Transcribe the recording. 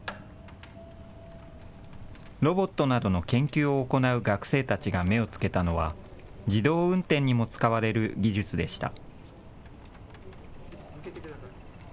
ロボットなどの研究を行う学生たちが目をつけたのは自動運転にも使われる技術でした。